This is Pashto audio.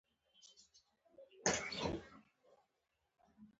غريب چې په غوسه شي خلک وايي دا لېونی دی.